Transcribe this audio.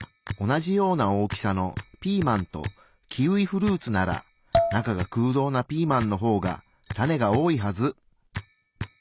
同じような大きさのピーマンとキウイフルーツなら中が空洞なピーマンのほうがタネが多いはず。